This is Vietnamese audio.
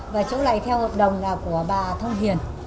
và chỗ này theo hợp đồng là của bà thông hiền